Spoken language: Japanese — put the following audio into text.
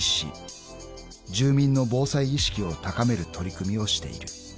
［住民の防災意識を高める取り組みをしている］